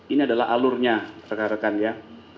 ini adalah alurnya rekan rekan ya